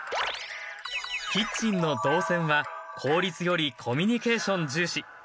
キッチンの導線は効率よりコミュニケーション重視！